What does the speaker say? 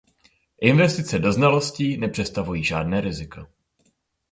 Investice do znalostí nepředstavují žádné riziko.